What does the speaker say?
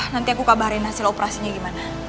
nanti aku kabarin hasil operasinya gimana